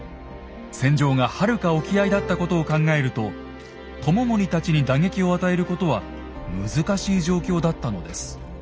戦場がはるか沖合だったことを考えると知盛たちに打撃を与えることは難しい状況だったのです。